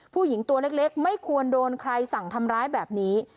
ผู้หญิงตัวเล็กไม่ควรโดนใครสั่งทำร้ายแบบนี้